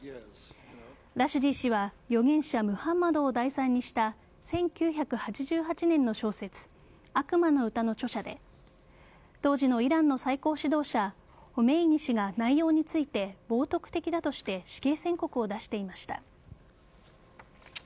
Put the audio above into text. ラシュディ氏は預言者・ムハンマドを題材にした１９８８年の小説「悪魔の詩」の著者で当時のイランの最高指導者ホメイニ師が内容について冒涜的だとして死刑宣告を出していました。